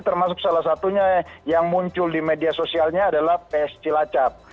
termasuk salah satunya yang muncul di media sosialnya adalah ps cilacap